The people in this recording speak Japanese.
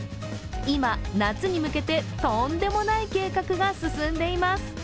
今、夏に向けてとんでもない計画が進んでいます。